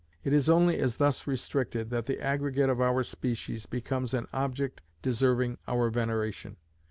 It is only as thus restricted that the aggregate of our species becomes an object deserving our veneration.